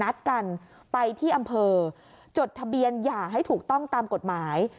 นัดกันไปที่อำเภอจดทะเบียนหย่าให้ถูกต้องตามกฎหมาย